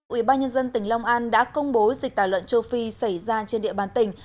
ủy ban nhân dân tỉnh long an đã công bố dịch tả lợn châu phi xảy ra trên địa bàn tỉnh